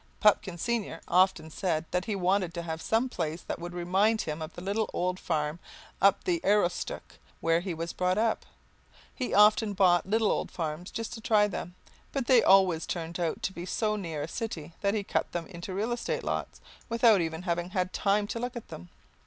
Pupkin senior often said that he wanted to have some place that would remind him of the little old farm up the Aroostook where he was brought up. He often bought little old farms, just to try them, but they always turned out to be so near a city that he cut them into real estate lots, without even having had time to look at them.